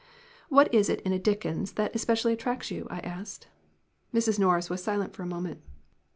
"What is it in Dickens that especially attracts you?" I asked. Mrs. Norris was silent for a moment.